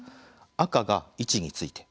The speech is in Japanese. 赤が「位置について」